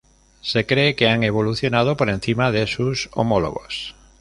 Se cree que han evolucionado por encima de sus homólogos.